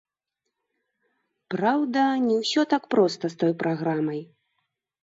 Праўда, не ўсё так проста з той праграмай.